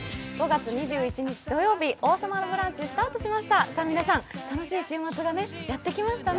５月２１日土曜日、「王様のブランチ」スタートしました。